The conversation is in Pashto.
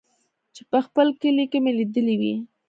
چې په خپل کلي کښې مې ليدلې وې.